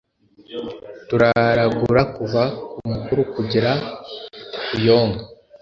turaragura kuva ku mukuru kugera kuyonka